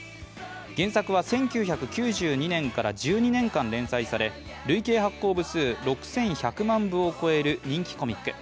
原作は１９９２年から１２年間連載され累計発行部数６１００万部を超える人気コミック。